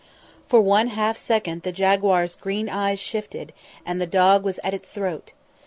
For one half second the jaguar's green eyes shifted, and the dog was at its throat.